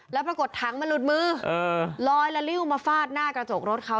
แล้วปรากฏถังมันหลุดมือลอยละลิ้วมาฟาดหน้ากระจกรถเขา